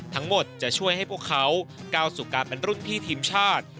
ทั้งหมดจะช่วยให้พวกเขาก้าวสู่การเป็นรุ่นพี่ทีมชาติ